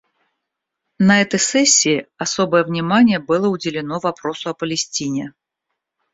На этой сессии особое внимание было уделено вопросу о Палестине.